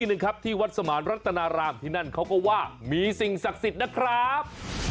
หนึ่งครับที่วัดสมานรัตนารามที่นั่นเขาก็ว่ามีสิ่งศักดิ์สิทธิ์นะครับ